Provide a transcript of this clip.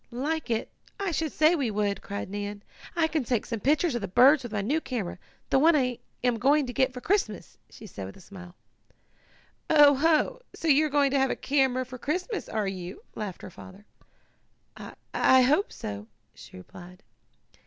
"Like it! I should say we would!" cried Nan. "I can take some pictures of the birds with my new camera the one I am going to get for Christmas," she added with a smile. "Oh ho! So you are going to have a camera for Christmas; are you?" laughed her father. "I I hope so," she replied.